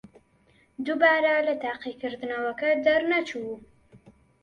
دووبارە لە تاقیکردنەوەکە دەرنەچوو.